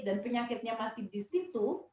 dan penyakitnya masih di situ